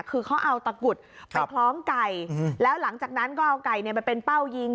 คือเขาเอาตะกุดไปคล้องไก่แล้วหลังจากนั้นก็เอาไก่ไปเป็นเป้ายิง